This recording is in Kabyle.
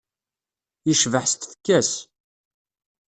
Yecbeḥ s tfekka-s.